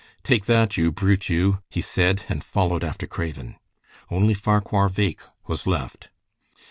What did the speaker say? "Take that, you brute, you!" he said, and followed after Craven. Only Farquhar Bheg was left.